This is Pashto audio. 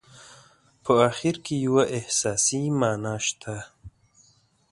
په اخر کې یوه احساسي معنا شته.